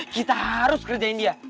kita harus kerjain dia